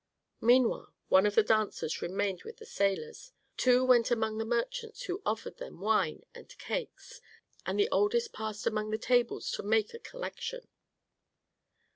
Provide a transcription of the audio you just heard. Meanwhile one of the dancers remained with the sailors, two went among the merchants who offered them wine and cakes, and the oldest passed among the tables to make a collection.